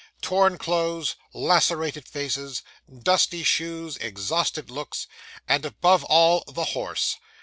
Torn clothes, lacerated faces, dusty shoes, exhausted looks, and, above all, the horse.